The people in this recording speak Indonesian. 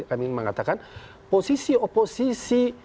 kami mengatakan posisi oposisi